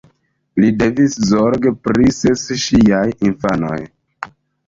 Li devis zorgi pri ses ŝiaj infanoj.